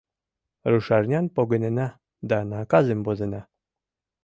Рушарнян погынена да наказым возена.